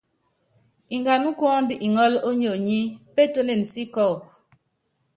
Ngana kuɔ́ndu iŋɔ́lɔ ónyonyí, pétuénen sí kɔkɔ.